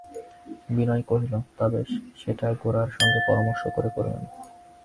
বিনয় কহিল, তা বেশ, সেটা গোরার সঙ্গে পরামর্শ করে করবেন।